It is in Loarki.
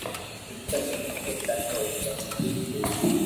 ٿني جيم سھي لاگي ھوئي جائي ٺيڪ ٺيڪ